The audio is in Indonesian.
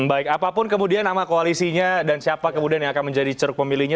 baik apapun kemudian nama koalisinya dan siapa kemudian yang akan menjadi ceruk pemilihnya